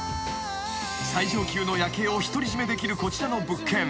［最上級の夜景を独り占めできるこちらの物件］